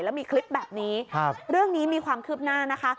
แล้วมีคลิปแบบนี้เรื่องนี้มีความคืบหน้านะคะ